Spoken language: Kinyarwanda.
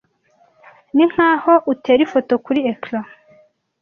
"Ninkaho utera ifoto kuri ecran: